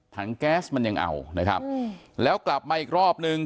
แก๊สมันยังเอานะครับแล้วกลับมาอีกรอบนึง